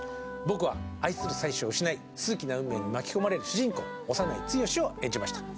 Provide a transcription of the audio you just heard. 僕は愛する妻子を失い数奇な運命に巻き込まれる主人公小山内堅を演じました。